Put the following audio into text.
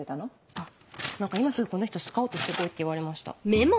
あっ何か今すぐこの人をスカウトしてこいって言われました。